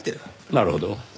なるほど。